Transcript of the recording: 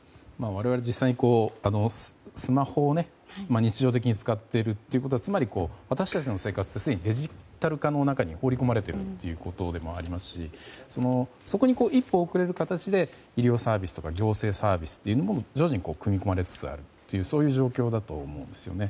我々、実際にスマホを日常的に使っているということはつまり私たちの生活はすでにデジタル化の中に放り込まれているということでもありますしそこに一歩遅れる形で医療サービスとか行政サービスが徐々に組み込まれつつあるという状況だと思うんですね。